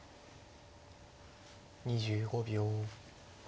２５秒。